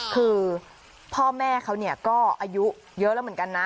คือพ่อแม่เขาก็อายุเยอะแล้วเหมือนกันนะ